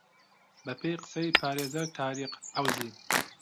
بە پێی قسەی پارێزەر تاریق عەوزی